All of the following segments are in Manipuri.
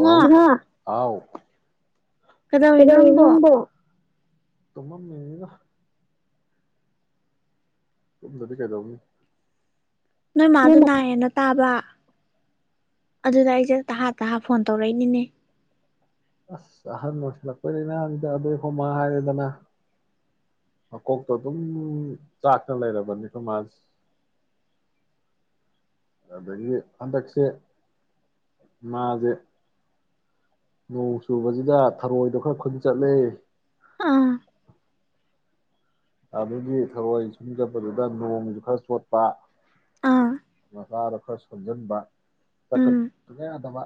ꯉꯣ ꯍꯥꯎ ꯀꯩꯗꯧꯔꯤꯅꯣ ꯅꯪꯕꯣ ꯇꯨꯃꯝꯃꯤꯅꯤꯗ ꯇꯨꯝꯗꯗꯤ ꯀꯩꯗꯧꯅꯤ ꯅꯣꯏ ꯃꯥꯗꯣ ꯅꯪꯅ ꯅꯥꯏꯌꯦꯅ ꯇꯥꯕ ꯑꯗꯨꯗ ꯑꯩꯁꯦ ꯇꯍꯥ ꯇꯍꯥ ꯐꯣꯟ ꯇꯧꯔꯛꯏꯅꯤꯅꯦ ꯑꯁ ꯑꯍꯟ ꯑꯣꯏꯁꯤꯜꯂꯛꯄꯩ ꯂꯩꯅꯥꯅꯤꯗ ꯑꯗꯨꯒ ꯑꯩꯈꯣꯏꯃꯥ ꯍꯥꯏꯔꯦꯗꯅ ꯃꯀꯣꯛꯇꯣ ꯑꯗꯨꯝ ꯆꯥꯛꯇꯅ ꯂꯩꯔꯕꯅꯤ ꯈꯣꯏꯃꯥꯁꯦ ꯑꯗꯨꯗꯒꯤ ꯍꯟꯗꯛꯁꯦ ꯃꯥꯁꯦ ꯅꯣꯡ ꯆꯨꯕꯁꯤꯗ ꯊꯔꯣꯏꯗꯣ ꯈꯔ ꯈꯨꯟ ꯆꯠꯂꯦ ꯑꯥ ꯑꯗꯨꯒꯤ ꯊꯔꯣꯏ ꯈꯨꯟ ꯆꯠꯄꯗꯨꯗ ꯅꯣꯡꯁꯨ ꯈꯔ ꯆꯣꯠꯄ ꯑꯥ ꯃꯁꯥꯗꯣ ꯈꯔ ꯁꯣꯟꯖꯟꯕ ꯆꯠꯀꯄꯣ ꯎꯝ ꯁꯨꯡꯌꯥ ꯌꯥꯗꯕ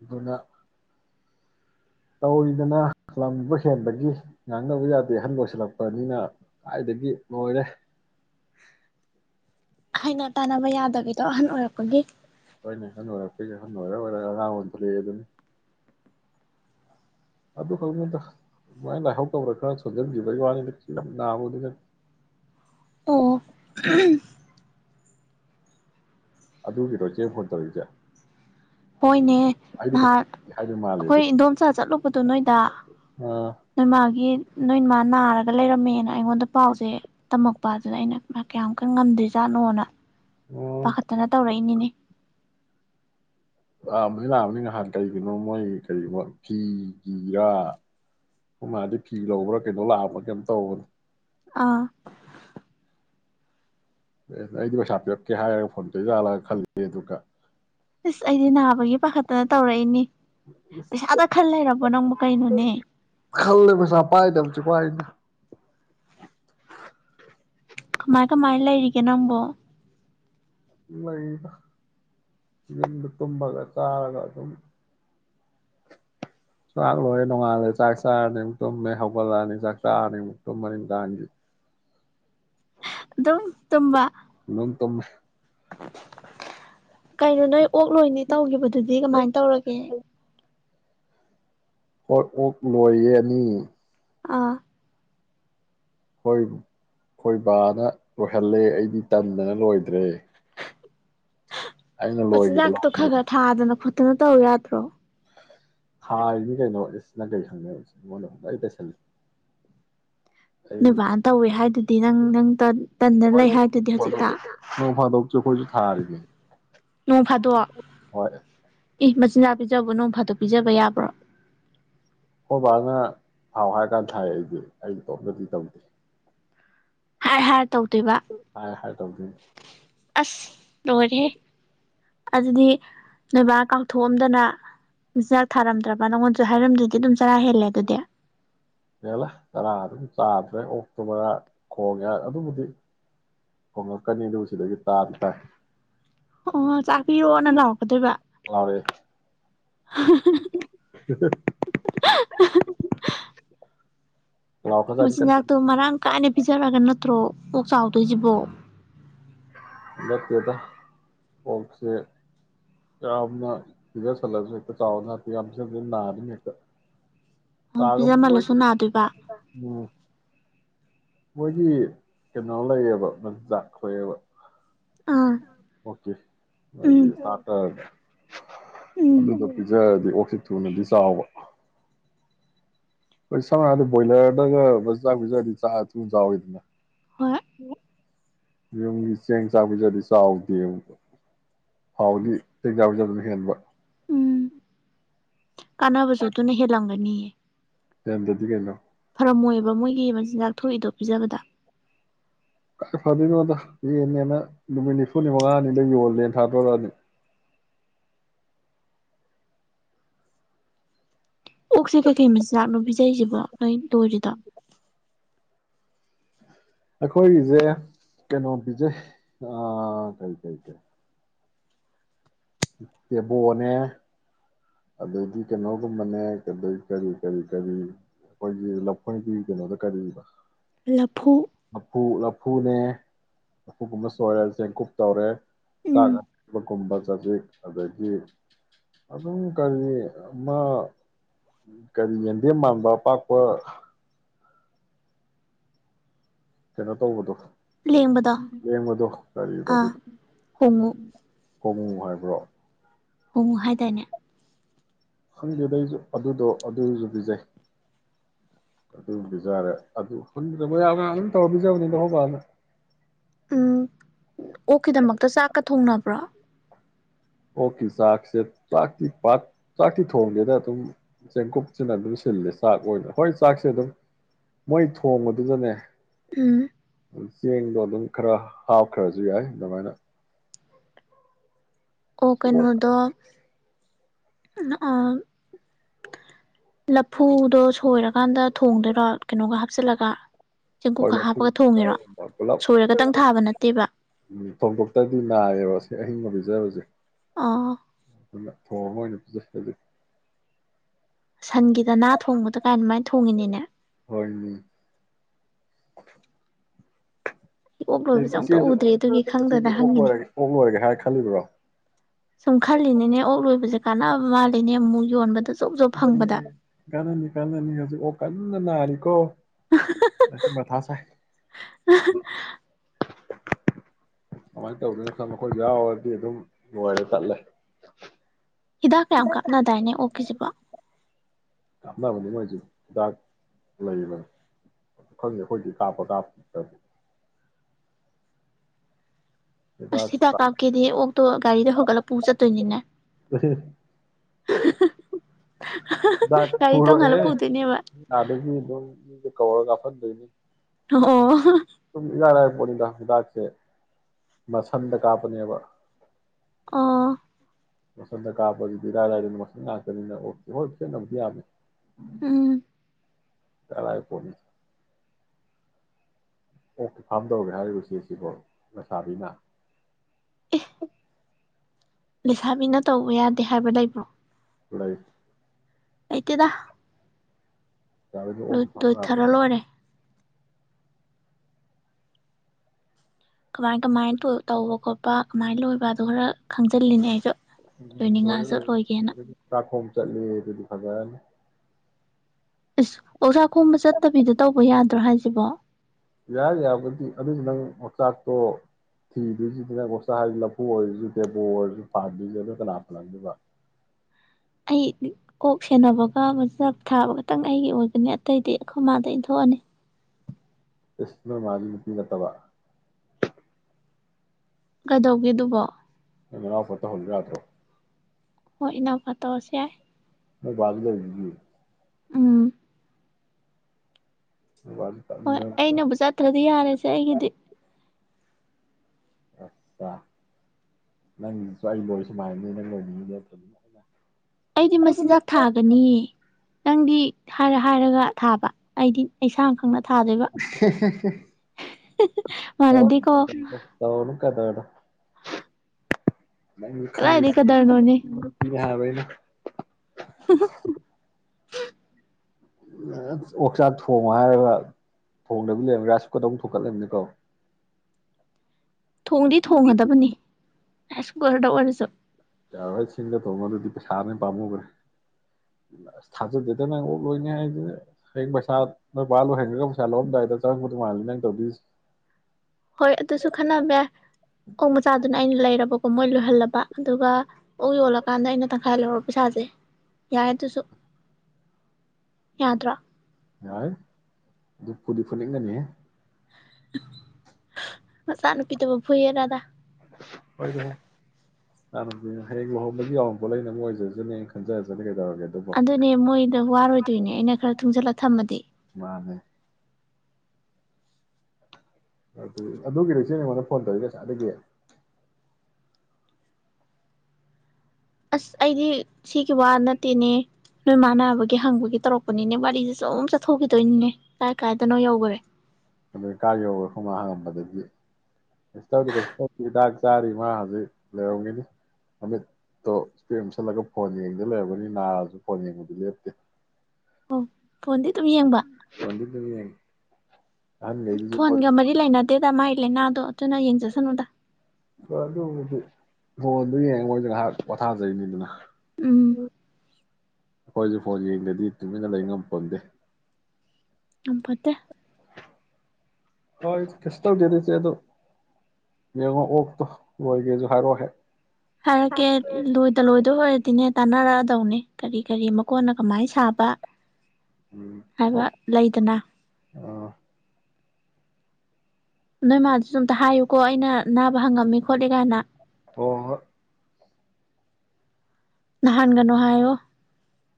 ꯑꯗꯨꯅ ꯇꯧꯔꯤꯗꯅ ꯂꯝꯕ ꯍꯦꯟꯕꯒꯤ ꯉꯥꯡꯅꯕ ꯌꯥꯗꯦ ꯑꯍꯟ ꯂꯣꯏꯁꯤꯜꯂꯛꯄꯅꯤꯅ ꯀꯥꯏꯗꯒꯤ ꯂꯣꯏꯔꯦ ꯍꯥꯏꯅ ꯇꯥꯟꯅꯕ ꯌꯥꯗꯕꯤꯗꯣ ꯑꯍꯟ ꯑꯣꯏꯔꯛꯄꯒꯤ ꯍꯣꯏꯅꯦ ꯑꯍꯟ ꯑꯣꯏꯔꯛꯄꯒꯤ ꯑꯍꯟ ꯑꯣꯏꯔ ꯑꯣꯏꯔꯒ ꯑꯉꯥꯡ ꯑꯣꯟꯊꯣꯔꯛꯑꯦꯗꯨꯅꯤ ꯑꯗꯨ ꯈꯗ ꯑꯗꯨꯃꯥꯏꯅ ꯂꯥꯏꯍꯧ ꯇꯧꯔ ꯈꯔ ꯁꯣꯟꯖꯟꯈꯤꯕꯒꯤ ꯋꯥꯅꯤꯗ ꯌꯥꯝ ꯅꯥꯕꯗꯤ [unintelligible] ꯑꯗꯨꯒꯤꯔꯣ ꯆꯦ ꯐꯣꯟ ꯇꯧꯔꯤꯛꯖꯦ ꯍꯣꯏꯅꯦ ꯅꯍꯥꯟ ꯍꯥꯏꯕ ꯃꯥꯜꯂꯦ ꯑꯩꯈꯣꯏ ꯑꯗꯨꯒ ꯏꯗꯣꯝꯆꯥ ꯆꯠꯂꯨ ꯗꯣ ꯅꯣꯏꯗ ꯑꯥ ꯅꯣꯏ ꯃꯥꯒꯤ ꯅꯣꯢ ꯃꯥ ꯅꯥꯔꯒ ꯂꯩꯔꯝꯃꯦꯅ ꯑꯩꯉꯣꯟꯗ ꯄꯥꯎꯁꯦ ꯇꯝꯃꯛꯄ ꯑꯗꯨꯗ ꯑꯩꯅ ꯀꯌꯥꯃꯨꯛ ꯀꯟ ꯉꯝꯗ꯭ꯔꯤꯖꯥꯠꯅꯣꯅ ꯎꯝ ꯄꯥꯈꯠꯇꯅ ꯇꯧꯔꯛꯏꯅꯤꯅꯦ ꯂꯥꯛꯑꯝꯕꯅꯤ ꯂꯥꯛꯑꯝꯕꯅꯤ ꯅꯍꯥꯟ ꯀꯩꯒꯤꯅꯣ ꯃꯣꯏ ꯀꯩꯣ ꯐꯤ ꯀꯤꯔꯥ ꯃꯥꯗꯤ ꯐꯤ ꯂꯧꯕ꯭ꯔꯥ ꯀꯩꯅꯣ ꯂꯥꯛꯑꯕ꯭ꯔꯥ ꯀꯩꯝ ꯇꯧꯕꯅꯤ ꯑꯥ ꯑꯦ ꯑꯩꯗꯤ ꯄꯩꯁꯥ ꯄꯤꯔꯛꯀꯦ ꯍꯥꯏꯔꯒ ꯐꯣꯟ ꯇꯧꯔꯛꯏꯖꯥꯠꯂ ꯈꯜꯂꯤ ꯑꯗꯨꯒ ꯏꯁꯁ ꯑꯩꯗꯤ ꯅꯥꯕꯒꯤ ꯄꯥꯈꯠꯇꯅ ꯇꯧꯔꯛꯏꯅꯤ ꯄꯩꯁꯥꯗ ꯈꯟ ꯂꯩꯔꯕꯣ ꯅꯪꯕꯨ ꯀꯩꯅꯣꯅꯦ ꯈꯜꯂ ꯄꯩꯁꯥ ꯄꯥꯏꯗꯕꯁꯤ ꯋꯥꯏꯗ ꯀꯃꯥꯏ ꯀꯃꯥꯏꯅ ꯂꯩꯔꯤꯒꯦ ꯅꯪꯕꯣ ꯂꯩꯗ ꯌꯨꯝꯗ ꯇꯨꯝꯃꯒ ꯆꯥꯔꯒ ꯑꯗꯨꯝ ꯆꯥꯛ ꯂꯣꯏꯔꯦ ꯅꯣꯡꯉꯥꯜꯂꯦ ꯆꯥꯛ ꯆꯥꯔꯅꯤ ꯑꯃꯨꯛ ꯇꯨꯝꯃꯦ ꯍꯧꯒꯠꯂꯛꯑꯅꯤ ꯆꯥꯛ ꯆꯥꯔꯅꯤ ꯑꯃꯨꯛ ꯇꯨꯝꯃꯅꯤ ꯅꯨꯡꯗꯥꯡꯒꯤ ꯑꯗꯨꯝ ꯇꯨꯝꯕꯥ ꯑꯗꯨꯝ ꯇꯨꯝꯃꯦ ꯀꯩꯅꯣ ꯅꯣꯏ ꯑꯣꯛꯂꯣꯏꯅꯦ ꯇꯧꯈꯤꯕꯗꯨꯗꯤ ꯀꯃꯥꯏ ꯇꯧꯔꯒꯦ ꯍꯣꯏ ꯑꯣꯛ ꯂꯣꯏꯔꯦꯅꯤ ꯑꯥ ꯍꯣꯏ ꯍꯣꯏ ꯕꯥꯅ ꯂꯣꯏꯍꯜꯂꯦ ꯑꯩꯗꯤ ꯇꯟꯗꯅ ꯂꯣꯏꯗ꯭ꯔꯦ ꯑꯩꯅ ꯂꯣꯏꯒꯦ ꯄꯆꯤꯟꯖꯥꯛ ꯇ ꯂꯧꯕꯅꯦ ꯈꯒ ꯊꯥꯗꯅ ꯐꯠ ꯐꯇꯅ ꯇꯧ ꯌꯥꯗ꯭ꯔꯣ ꯍꯥꯏꯔꯤꯅꯤ ꯀꯩꯅꯣ ꯑꯦꯁꯅꯪ ꯀꯔꯤ ꯈꯪꯅꯁꯦ ꯃꯉꯗ ꯑꯩ ꯇꯩꯁꯜꯂꯤ ꯑꯩ ꯅꯣꯏꯚꯕꯥꯅ ꯇꯧꯋꯦ ꯍꯥꯏꯗꯨꯗꯤ ꯅꯪ ꯅꯪ ꯇ ꯅ ꯐꯥꯗꯣ ꯆꯈꯣꯏꯁꯨ ꯊꯥꯔꯒ ꯅꯣꯡ ꯐꯥꯗꯣꯛꯑꯣ ꯑꯦ ꯃꯆꯤꯟꯖꯥꯛ ꯄꯤꯖꯕ ꯅꯣꯡ ꯐꯥꯗꯣꯛ ꯄꯤꯖꯕ ꯌꯥꯕ꯭ꯔꯣ ꯍꯣꯏ ꯚꯅ ꯐꯥꯎ ꯍꯥꯏꯔ ꯀꯥꯟꯗ ꯊꯥꯏ ꯑꯩꯗꯤ ꯑꯩ ꯇꯣꯞꯇꯗꯤ ꯇꯧꯗꯦ ꯍꯥꯏ ꯍ ꯍꯥꯏ ꯍꯥꯏ ꯇꯧꯗ ꯑꯁ ꯂꯣꯏꯔꯦ ꯑꯗꯨꯗꯤ ꯅꯣꯏꯕꯥ ꯀꯥꯎꯊꯣꯛꯑꯝꯗꯅ ꯃꯆꯤꯟꯖꯥꯛ ꯊꯥꯔꯝꯗ꯭ꯔꯕ ꯅꯪꯉꯣꯟꯁꯨ ꯍꯥꯏꯔꯝꯗ꯭ꯔꯗꯤ ꯑꯗꯨꯝ ꯆꯔꯥ ꯍꯦꯜꯂꯦ ꯑꯗꯨꯗꯤ ꯍꯦꯜꯂ ꯇꯔꯥ ꯑꯗꯨꯝ ꯆꯥꯗ꯭ꯔꯦ ꯑꯣꯛꯇꯣꯕꯔ ꯈꯣꯡꯉꯦ ꯑꯗꯨꯕꯨꯗꯤ ꯍꯣꯉꯛꯀꯅꯤ ꯑꯗꯨ ꯁꯤꯗꯒꯤ ꯇꯥꯗꯤ ꯇꯥꯏ ꯑꯣ ꯆꯥꯛꯄꯤꯔꯣꯅ ꯂꯥꯎꯔꯀꯗꯣꯏꯕ ꯂꯥꯎꯔꯛꯑꯦ ꯂꯥꯎꯔꯛꯀꯖꯥꯠꯗꯤ ꯃꯆꯤꯟ ꯀꯟꯅ ꯖꯥꯛꯇꯣ ꯃꯌꯥꯛ ꯀꯥꯏꯅ ꯄꯤꯖꯔꯒ ꯅꯠꯇ꯭ꯔꯣ ꯑꯣꯛ ꯆꯥꯎꯗꯣꯏꯖꯤꯕꯣ ꯅꯠꯇꯦꯗ ꯑꯣꯛꯁꯦ ꯌꯥꯝꯅ ꯄꯤꯖꯁꯜꯂꯁꯨ ꯍꯦꯛꯇ ꯆꯥꯎ ꯌꯥꯝ ꯄꯤꯖꯕꯖꯨ ꯅꯥꯗꯣꯏꯅꯤ ꯍꯦꯛꯇ ꯑꯣ ꯆꯥꯒꯝ ꯄꯤꯖꯥ ꯃꯜꯂꯁꯨ ꯃꯣꯏꯒꯤ ꯅꯗꯣꯏꯕ ꯎꯝ ꯃꯣꯏꯒꯤ ꯀꯩꯅꯣ ꯂꯩꯌꯦꯕ ꯃꯆꯤꯟꯖꯥꯛ ꯊꯣꯛꯑꯦꯕ ꯑꯥ ꯑꯣꯀꯦ ꯎꯝ ꯇ [unintelligible] ꯎꯝ ꯑꯗꯨꯒ ꯄꯤꯖꯔꯗꯤ ꯑꯣꯛꯁꯤ ꯊꯨꯅꯗꯤ ꯆꯥꯎꯕ ꯃꯣꯏ ꯁꯝꯅ ꯍꯥꯏꯔꯕ ꯕꯣꯏꯂꯔꯗꯒ ꯃꯖꯤꯖꯥꯛ ꯄꯤꯖꯔꯗꯤ ꯆꯥ ꯊꯨꯅ ꯆꯥꯎꯋꯤꯗꯅ ꯍꯣꯏ ꯍ [unintelligible] ꯌꯨꯝꯒꯤ ꯆꯦꯡ ꯆꯥꯛ ꯄꯤꯖꯕꯗꯤ ꯆꯥꯎꯗꯦ ꯍꯥꯎꯗꯤ ꯆꯦꯡ ꯆꯥꯛ ꯄꯤꯖꯕꯗꯨꯅ ꯍꯦꯟꯕ ꯎꯝ ꯀꯥꯟꯅꯕꯁꯨ ꯑꯗꯨꯅ ꯍꯦꯜꯂꯝꯒꯅꯤ [unintelligible] ꯍꯦꯟꯗꯗꯤ ꯀꯩꯅꯣ ꯄꯝꯃꯣꯏꯑꯕ ꯃꯣꯏꯒꯤ ꯃꯆꯤꯟꯖꯥꯛ ꯊꯣꯛꯏꯗꯣ ꯄꯤꯖꯕꯗ ꯀꯥꯏꯗ ꯐꯗꯣꯅꯣꯗ ꯌꯦꯟꯅꯦꯅ ꯅꯨꯃꯤꯠ ꯅꯤꯐꯨꯅꯤ ꯃꯉꯥꯅꯤꯗ ꯌꯣꯜꯂꯦꯅ ꯊꯥꯗꯣꯔꯛꯑꯅꯤ ꯑꯣꯛꯁꯤ ꯀꯩ ꯀꯩ ꯃꯤꯁꯤꯖꯥꯛꯅꯣ ꯄꯤꯖꯩ ꯁꯤꯕꯣ ꯅꯣꯏ ꯇꯣꯏꯔꯤꯗ ꯑꯩꯈꯣꯏꯒꯤꯁꯦ ꯀꯩꯅꯣ ꯄꯤꯖꯩ ꯀꯔꯤ ꯀꯔꯤ ꯀꯩ ꯇꯦꯕꯣꯅꯦ ꯑꯗꯩꯗꯤ ꯀꯩꯅꯣꯒꯨꯝꯕꯅꯦ ꯑꯗꯩ ꯀꯔꯤ ꯀꯔꯤ ꯀꯔꯤ ꯑꯩꯈꯣꯏꯒꯤ ꯂꯧꯐꯣꯏꯒꯤ ꯀꯩꯅꯣꯗ ꯀꯔꯤꯕ ꯂꯐꯨ ꯐꯨꯅꯦ ꯂꯐꯨꯒꯨꯝꯕ ꯁꯣꯏꯔꯦ ꯆꯦꯡꯀꯨꯞ ꯇꯧꯔꯦ ꯎꯝ ꯆꯥꯒ ꯃꯀꯨꯝꯕ ꯁꯖꯤꯛ ꯑꯗꯒꯤ ꯑꯗꯨꯝ ꯀꯔꯤ ꯑꯃ ꯀꯔꯤ ꯌꯦꯟꯗꯦꯝ ꯃꯥꯟꯕ ꯄꯥꯛꯄ ꯀꯩꯅꯣ ꯇꯧꯕꯗꯣ ꯂꯦꯡꯕꯗꯣ ꯂꯦꯡꯕꯗꯣ ꯀꯔꯤꯕ ꯑꯥ ꯑꯗꯨꯗꯣ ꯍꯣꯡꯉꯨ ꯍꯣꯡꯉꯨ ꯍꯥꯏꯕ꯭ꯔꯣ ꯍꯣꯡꯉꯨ ꯍꯥꯏꯗꯥꯏꯅꯦ ꯈꯪꯗꯦꯗ ꯑꯩꯁꯨ ꯑꯗꯨꯗꯣ ꯑꯗꯨꯁꯨ ꯄꯤꯖꯩ ꯑꯗꯨꯁꯨ ꯄꯤꯖꯔꯦ ꯑꯗꯨ ꯈꯪꯗꯦ ꯃꯣꯏ ꯑꯉꯥ ꯑꯗꯨꯝ ꯇꯧꯔ ꯄꯤꯖꯕꯅꯤꯗꯣ ꯍꯣꯕꯥꯅ ꯎꯝ ꯑꯣꯀꯤꯗꯃꯛꯇ ꯆꯥꯛꯀ ꯊꯣꯡꯅꯕ꯭ꯔꯣ ꯑꯣꯀꯤ ꯆꯥꯛꯁꯦ ꯆꯥꯛꯇꯤ ꯄꯥꯠ ꯆꯥꯛꯇꯤ ꯊꯣꯡꯗꯦꯗ ꯑꯗꯨꯝ ꯆꯦꯡꯀꯨꯞꯁꯤꯅ ꯑꯗꯨꯝ ꯁꯤꯜꯂꯦ ꯆꯥꯛ ꯑꯣꯏꯅ ꯍꯣꯏ ꯆꯥꯛꯁꯦ ꯑꯗꯨꯝ ꯃꯣꯏ ꯊꯣꯡꯕꯗꯨꯗꯅꯦ ꯑꯝ ꯆꯦꯡꯗꯣ ꯑꯗꯨꯝ ꯈꯔ ꯍꯥꯞꯈ꯭ꯔꯁꯨ ꯌꯥꯏ ꯑꯗꯨꯃꯥꯏꯅ ꯑꯣ ꯁꯣꯛ ꯀꯩꯅꯣ ꯗꯣ ꯅ ꯑꯥ ꯂꯐꯨꯗꯣ ꯁꯣꯏꯔꯀꯥꯟꯗ ꯊꯣꯡꯗꯣꯏꯔꯣ ꯀꯩꯅꯣꯒ ꯍꯥ ꯄꯨꯞꯁꯤꯜꯂꯒ ꯄꯨꯂꯞ ꯎ ꯁꯣꯏꯔꯒꯇꯪ ꯊꯥꯕ ꯅꯠꯇꯦꯕ ꯊꯣꯡꯗꯣꯛꯇꯗꯤ ꯅꯥꯔꯦꯕ ꯁꯤ ꯑꯍꯤꯡꯕ ꯖꯔꯗꯦ ꯑꯥ ꯊꯣꯡ ꯑꯣꯏꯅ ꯐꯖꯩ ꯁꯟꯒꯤꯗ ꯅꯥ ꯊꯣꯡꯕꯗꯣ ꯀꯥꯏ ꯑꯗꯨꯃꯥꯏꯅ ꯊꯣꯡꯉꯤꯅꯤꯅꯦ ꯍꯣꯏꯅꯦ [unintelligible] ꯑꯩ ꯑꯣꯛ ꯂꯣꯏꯕꯁꯦ ꯏꯆꯦꯁꯨ ꯑꯨꯛꯇ ꯏꯆꯦꯁꯨ ꯎꯗ꯭ꯔꯦ ꯑꯗꯨꯒꯤ ꯈꯪꯗꯅ ꯑꯣꯛ ꯍꯪꯉꯤꯅꯦ ꯂꯣꯏꯔꯒꯦ ꯑꯣꯛ ꯂꯣꯏꯔꯒꯦ ꯍꯥꯏꯔ ꯈꯜꯂꯤꯕ꯭ꯔꯣ ꯁꯨꯝ ꯈꯜꯂꯤꯅꯤꯅꯦ ꯑꯣꯛ ꯂꯣꯏꯕꯁꯦ ꯀꯥꯟꯅꯕ ꯃꯥꯜꯂꯤꯅꯦ ꯑꯃꯨꯛ ꯌꯣꯟꯕꯗ ꯖꯣꯞ ꯖꯣꯞ ꯐꯪꯕꯗ ꯅꯥꯏꯔꯤꯀꯣ ꯃꯊꯥꯁ ꯑꯗꯨꯃꯥꯏꯅ ꯇꯧꯗꯣꯏꯅ ꯈ ꯃꯈꯣꯏ ꯌꯥꯎꯔꯗꯤ ꯑꯗꯨꯝ ꯥꯏꯔꯦ ꯆꯠꯂꯦ ꯍꯤꯗꯥꯛ ꯀꯌꯥꯝ ꯀꯥꯞꯅꯗꯥꯏꯅꯦ ꯑꯣ ꯀꯦꯁꯤꯕꯣ ꯀꯥꯞꯅꯕꯅꯤ ꯃꯣꯏꯁꯤ ꯍꯤꯗꯥꯛ ꯂꯩꯕꯅꯤ ꯈꯪꯗꯦ ꯑꯩꯈꯣꯏꯗꯤ ꯀꯥꯞꯄ ꯀꯥꯞꯗꯕ ꯍꯤꯗꯥꯛꯁꯨ ꯑꯁꯤꯁꯇꯥ ꯇꯥꯞꯀꯦꯗꯤ ꯑꯣꯛꯇꯣ ꯒꯥꯔꯤꯗ ꯍꯧꯒꯠꯂ ꯄꯨ ꯆꯠꯇꯣꯏꯅꯤꯅꯦ ꯍꯤꯗꯥꯛ ꯒꯥꯔꯤ ꯇꯣꯡꯍꯜꯂꯒ ꯄꯨꯔꯣꯏꯍꯦ ꯄꯨꯗꯣꯏꯅꯦꯕ ꯀꯧꯔ ꯀꯥꯐꯗꯣꯏꯅꯤ ꯑꯣ ꯌꯥ ꯗ ꯍꯤꯗꯥꯛꯁꯦ ꯃꯁꯟꯗ ꯀꯥꯞꯄꯅꯦꯕ ꯑꯣ ꯃꯁꯟꯗ [inaudible] ꯑ ꯑꯔꯥꯏꯕ ꯄꯣꯠ ꯅꯤ ꯑꯣꯀꯦ ꯐꯥꯝ ꯇꯧꯔꯦ ꯍꯥꯏꯔꯤꯕꯁꯤꯁꯤꯕꯣ ꯅꯁꯥꯕꯤꯅ [unintelligible] ꯂꯩꯁꯥꯕꯤꯅ ꯇꯧꯕ ꯌꯥꯗꯦ ꯍꯥꯏꯕ ꯂꯩꯕ꯭ꯔꯣ ꯂꯩ ꯑꯩꯇꯗ ꯂꯩꯁꯥꯕꯤꯅ ꯕ꯭ꯂꯨ ꯑꯣꯛꯀꯤ ꯐꯥꯝ ꯇꯨꯠꯊꯔ ꯉꯥꯛꯇꯅꯦ ꯂꯣꯏꯔꯦ ꯀꯃꯥꯏ ꯀꯃꯥꯏꯅ ꯇꯧꯕ ꯈꯣꯠꯄ ꯀꯃꯥꯏ ꯂꯣꯏꯕ ꯑꯗꯨ ꯈꯔ ꯈꯪꯖꯤꯜꯂꯤꯅꯦ ꯑꯩꯁꯦ ꯂꯣꯏꯅꯤꯡꯉꯛꯑꯁꯨꯂꯣꯏꯒꯦꯅ ꯆꯠꯂꯤ ꯑꯗꯨꯗꯤ ꯐꯕ ꯑꯁ ꯄꯧꯁꯥꯛ ꯈꯣꯝꯕ ꯆꯠꯇꯕꯤꯗ ꯇꯧꯕ ꯌꯥꯗ꯭ꯔꯣ ꯍꯥꯏꯁꯤꯕꯣ ꯌꯥꯏ ꯌꯥꯕꯨꯗꯤ ꯑꯗꯨꯏꯁꯨ ꯅꯪ ꯑꯣꯆꯥꯛꯇꯣ ꯊꯤꯗꯣꯏꯁꯤꯗꯅ ꯑꯣꯆꯥꯛ ꯍꯥꯏꯁꯤ ꯂꯐꯨ ꯑꯣꯏꯔꯁꯨ ꯇꯦꯕꯣ ꯑꯣꯏꯔꯁꯨ ꯐꯥꯗꯣꯏꯁꯤꯦ ꯑꯗꯨ ꯀꯅꯥ ꯐꯂꯗꯦꯕ ꯑꯩ ꯑꯣꯛ ꯁꯦꯟꯅꯕꯒ ꯐꯖꯅ ꯊꯥꯕ ꯈꯛꯇꯪ ꯑꯩꯒꯤ ꯑꯣꯏꯒꯅꯤ ꯑꯇꯩꯗꯤ ꯑꯩꯈꯣꯏ ꯃꯥꯗ ꯏꯟꯊꯣꯛꯑꯅꯤ ꯏꯁ ꯅꯣꯏ ꯃꯗꯤ ꯅꯨꯄꯤꯅꯠꯇꯕꯥ ꯀꯩꯗꯧꯒꯦꯗꯨꯕꯣ ꯑꯗꯨ ꯅꯅꯥꯎ ꯅꯨꯄꯥ ꯇꯧꯍꯟꯂꯨ ꯌꯥꯗꯔꯣ ꯍꯣꯏ ꯏꯅꯥꯎꯄ ꯇꯧ ꯍꯜꯂꯥꯖꯨ ꯌꯥꯏ ꯅꯣꯏ ꯕꯥꯖꯨ ꯂꯩꯗꯨꯗꯤ ꯑꯥ ꯅꯣꯏ ꯕꯥꯁꯨ ꯍꯣꯏ ꯇꯟꯗꯅ ꯑꯩꯅꯕꯨ ꯆꯠꯇ꯭ꯔꯗꯤ ꯌꯥꯔꯦꯁꯦ ꯑꯩꯒꯤꯗꯤ ꯑ ꯅꯪꯁꯨ ꯑꯩ ꯂꯣꯏꯔꯤ ꯁꯨꯃꯥꯏꯅ ꯅ ꯅꯪ ꯂꯣꯏꯅꯤꯡꯉꯤꯗꯅ ꯑꯩꯅ ꯑꯩꯗꯤ ꯃꯆꯤꯟꯖꯥꯛ ꯊꯥꯒꯅꯤ ꯅꯪꯗꯤ ꯍꯥꯏꯔ ꯍꯥꯏꯔꯒ ꯊꯥꯕ ꯑꯩꯗꯤ ꯑꯩ ꯏꯁꯥ ꯈꯛ ꯅ ꯃꯥꯟꯅꯗꯦꯀꯣ [inaudible] ꯀꯗꯔꯗꯣ ꯀꯗꯥꯏꯗꯩ ꯀꯗꯔꯅꯣꯅꯦ [unintelligible] ꯌꯔꯣꯏꯅꯦ [unintelligible] ꯑꯣꯛꯆꯥꯛ ꯊꯣꯡꯉꯣ ꯍꯥꯏꯔꯒ ꯊꯣꯡꯗꯕꯤ ꯂꯩꯔ ꯔꯥꯏꯁ [unintelligible] ꯊꯣꯡꯗꯤ ꯊꯣꯡꯒꯗꯕꯅꯤ ꯑꯦꯁ ꯀꯨꯀꯔꯗ ꯑꯣꯏꯔꯁꯨ ꯌꯥꯔꯣꯏ ꯁꯤꯁꯤꯡꯒ ꯇꯧꯅ ꯑꯗꯨꯗꯤ ꯄꯩꯁꯥ ꯅ ꯄꯥꯝꯃꯨꯈ꯭ꯔꯦ ꯑꯁ ꯊꯥꯖꯗꯦꯗ ꯅꯪ ꯑꯣꯛ ꯂꯣꯏꯅꯤ ꯍꯥꯏꯁꯤꯅꯦ ꯍꯌꯦꯡ ꯄꯩꯁꯥ ꯂꯣꯏꯄꯥ ꯂꯣꯏꯍꯟꯈꯒ ꯄꯩꯁꯥ ꯂꯧꯔꯝꯗꯥꯏꯗ ꯆꯪꯉꯕ ꯇꯣꯡꯉꯥꯜꯂꯤ ꯅꯪ ꯇꯧꯗꯣꯏꯁꯤ ꯍꯣꯏ ꯑꯗꯨꯁꯨ ꯈꯟꯅꯕ ꯌꯥꯏ ꯑꯣꯛ ꯃꯆꯥꯗꯨꯅ ꯑꯩꯅ ꯂꯩꯔꯕꯀꯣ ꯃꯣꯏ ꯂꯣꯏꯍꯜꯂꯕ ꯑꯗꯨꯒ ꯑꯣꯛ ꯌꯣꯜꯂꯀꯥꯟꯗ ꯑꯩꯅ ꯇꯪꯈꯥꯏ ꯂꯧꯔ ꯄꯩꯁꯥꯁꯦ ꯌꯥꯏꯦ ꯑꯗꯨꯁꯨ ꯌꯥꯗ꯭ꯔꯣ ꯌꯥꯏ ꯑꯗꯨ ꯐꯨꯗꯤ ꯐꯅꯦꯛꯒꯅꯤ ꯃꯆꯥ ꯅꯨꯨꯄꯤꯗꯨꯕꯨ ꯐꯨꯏꯌꯦ ꯑꯥꯗꯥ ꯑꯣꯏꯗꯦ ꯥꯟꯅ ꯍꯌꯦꯡ ꯂꯨꯍꯣꯡꯕꯒꯤ ꯌꯥꯎꯔꯕꯄꯣꯠ ꯑꯅ ꯑꯃꯨꯛ ꯑꯣꯏꯖꯁꯅꯦꯅ ꯈꯟꯖꯔꯖꯅꯤ ꯀ ꯑꯗꯨꯅꯦ ꯃꯣꯏꯗ ꯋꯥꯔꯣꯏꯗꯣꯏꯅꯦ ꯑꯩꯅ ꯈꯔ ꯊꯨꯡꯖꯤꯜꯂꯒ ꯊꯝꯃꯗꯤ ꯑꯗꯦ ꯑꯗꯨ ꯑꯗꯨꯒꯤꯗꯁ ꯑꯩꯉꯣꯟꯗ ꯐꯣꯟ ꯇꯧꯔꯤ ꯉꯁꯥꯗꯒꯤ ꯑꯁ ꯑꯩꯗꯤ ꯁꯤꯒꯤ ꯋꯥ ꯅꯠꯇꯦꯅꯦ ꯅꯣꯏꯃꯥꯟꯅꯕꯒꯤ ꯍꯪꯕꯒꯤ ꯇꯧꯔꯛꯄꯅꯤꯅꯦ ꯋꯥꯔꯤꯁꯦ ꯁꯝ ꯆꯠꯊꯣꯛꯈꯤꯗꯣꯏꯅꯤꯅꯦ ꯀꯥꯏ ꯀꯥꯏꯗꯅꯣ ꯌꯧꯈꯔꯦ ꯑꯗꯨꯗ ꯀꯖꯔ ꯈꯨ ꯃꯥꯝꯕꯗꯗꯒꯤꯗꯤ ꯑꯦꯁꯥꯎꯗꯗꯤꯒꯁ ꯆꯥꯔꯤ ꯃꯥ ꯍꯧꯖꯤꯛ ꯂꯩꯔꯝꯒꯅꯤ ꯅꯨꯃꯤꯠꯇꯣ ꯏꯁꯇ ꯑꯃꯨꯁꯤꯜꯂꯒ ꯐꯣꯟ ꯌꯦꯡꯕꯗ ꯂꯩꯔꯝꯒꯅꯤ ꯅꯥꯔꯁꯨ ꯐꯣꯟ ꯌꯦꯡꯕꯗꯤ ꯂꯦꯞꯇꯦ ꯑꯣ ꯐꯣꯟꯗꯤ ꯑꯗꯨꯝ ꯌꯦꯡꯕ ꯑꯗꯨ ꯐꯣꯟꯒ ꯃꯔꯤ ꯂꯩꯅꯗꯦꯗ ꯃꯥꯏ ꯂꯩꯅꯥꯗꯣ ꯑꯗꯨꯅ ꯌꯦꯡꯖꯁꯅꯨꯗ ꯍꯣꯏ ꯑꯗꯨ ꯐꯣꯟꯗꯨ ꯌꯦꯡꯉ ꯃꯣꯏꯗ ꯉꯥꯏꯍꯥꯛ ꯄꯣꯊꯥꯖꯩꯅꯤꯗꯅ ꯎꯝ ꯑꯩꯈꯣꯏꯁꯨ ꯐꯣꯟꯁꯦ ꯌꯦꯡꯗꯗꯤ ꯇꯨꯃꯤꯟꯅ ꯂꯩꯕ ꯄꯣꯟꯗꯦ ꯑꯝꯕꯠꯇꯦ ꯍ ꯀꯁ ꯇꯧꯗꯁꯦ ꯑꯗꯨ ꯌꯦꯉ ꯑꯣꯛꯇꯣ ꯑꯣꯏꯁꯨ ꯍꯥꯏꯔꯣ ꯍꯥꯏ ꯍꯥꯏꯔꯛꯀꯦ ꯂꯣꯏꯗ ꯂꯣꯏꯗꯣꯏ ꯍꯣꯏꯔ ꯑꯗꯨꯅꯦ ꯇꯥꯅꯔꯛꯑꯗꯧꯅꯦ ꯀꯔꯤ ꯀꯔꯤ ꯃꯀꯣꯟꯅ ꯀꯃꯥꯏꯅ ꯁꯥꯕ ꯎꯝ ꯍꯣ ꯍꯥꯏꯕ ꯂꯩꯗꯅ ꯑꯥ ꯅꯣꯏ ꯃꯥꯗꯨꯁꯨ ꯑꯝꯇ ꯍꯥꯏꯌꯨꯀꯣ ꯑꯩꯅ ꯅꯥꯕ ꯍꯪꯉꯝꯃꯦ ꯈꯣꯠꯂꯤꯦ ꯀꯥꯏꯅ ꯑꯣ ꯅꯍꯥꯟꯒꯅꯨ ꯍꯥꯏꯌꯣ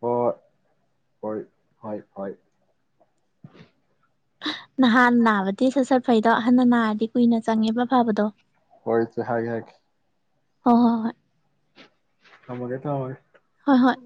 ꯍ ꯍꯣꯏ ꯍ ꯍ ꯅꯍꯥꯟ ꯅꯅꯥꯕꯇꯤꯁꯁ ꯐꯩꯗꯣ ꯑꯍꯟꯅ ꯅꯥꯔꯗꯤ ꯀꯨꯏꯅ ꯆꯪꯉꯦꯕ ꯐꯕꯗꯣ ꯍꯔ ꯆ ꯍꯖ ꯍ ꯍꯣꯏ ꯍꯣꯏ ꯍꯣꯏ ꯊꯃꯒꯦꯇꯣꯏ ꯍꯣꯏ ꯍꯣꯏ